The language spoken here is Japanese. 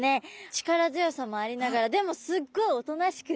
力強さもありながらでもすっごいおとなしくて。